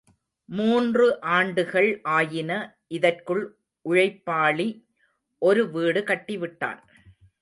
மூன்று ஆண்டுகள் ஆயின, இதற்குள் உழைப்பாளி ஒரு வீடு கட்டிவிட்டான்.